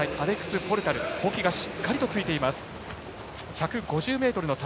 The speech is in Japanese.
ボキがしっかりとついています。